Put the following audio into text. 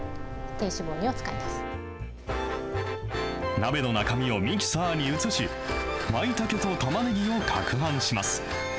鍋の中身をミキサーに移し、まいたけとたまねぎをかくはんします。